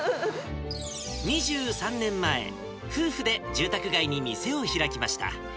２３年前、夫婦で住宅街に店を開きました。